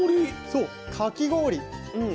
そうかき氷。